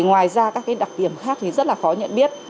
ngoài ra các đặc điểm khác thì rất là khó nhận biết